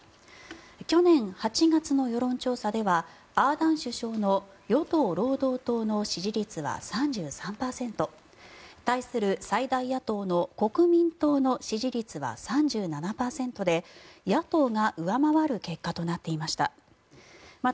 去年８月の世論調査ではアーダーン首相の与党・労働党の支持率は３３％対する最大野党の国民党の支持率は３７％で野党が上回る結果となっていました。